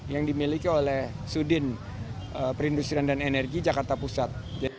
yang dimiliki oleh sudin perindustrian dan energi jakarta pusat